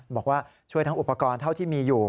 บอกว่าช่วยทั้งอุปกรณ์เท่าที่มีอยู่